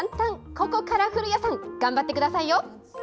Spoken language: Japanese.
ここから古谷さん頑張ってくださいよ。